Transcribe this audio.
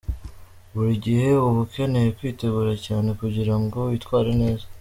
Buri gihe uba ukeneye kwitegura cyane kugira ngo witware neza.